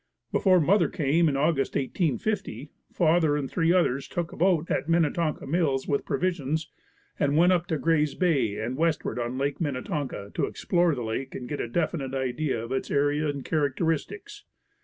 Before mother came, in August, 1850, father and three others took a boat at Minnetonka Mills with provisions and went up to Gray's Bay and westward on Lake Minnetonka to explore the lake and get a definite idea of its area and characteristics.